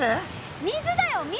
水だよ水！